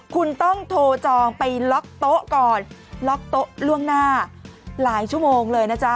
คุณต้องโทรจองไปล็อกโต๊ะก่อนล็อกโต๊ะล่วงหน้าหลายชั่วโมงเลยนะจ๊ะ